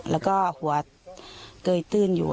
แล้วก็หัวเกยตื้นอยู่